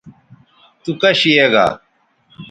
تو کش یے گا